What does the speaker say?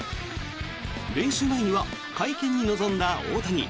練習前には会見に臨んだ大谷。